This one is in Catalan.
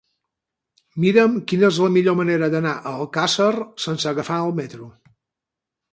Mira'm quina és la millor manera d'anar a Alcàsser sense agafar el metro.